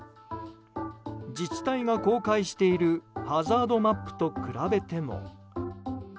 自治体が公開しているハザードマップと比べても。